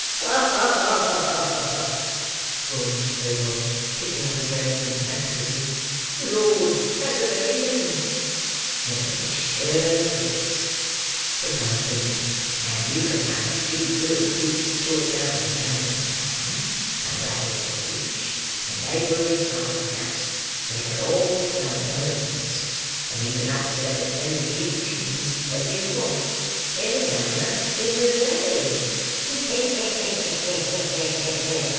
Ha! ha! ha!" "Ha! ha!" roared Mr. Claypole, kicking up his legs in an ecstasy. "Lord, that's the very thing!" "To be sure it is," replied Fagin; "and you can have a few good beats chalked out in Camden Town, and Battle Bridge, and neighborhoods like that, where they're always going errands; and you can upset as many kinchins as you want, any hour in the day. Ha!